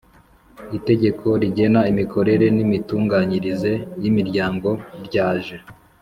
itegeko rigena imikorere n imitunganyirize y imiryango ryaje